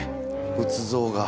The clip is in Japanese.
仏像が。